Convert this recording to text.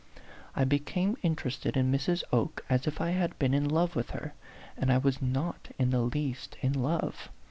I became interested in Mrs. Oke as if I had been in love with her, and I was not in the least in love.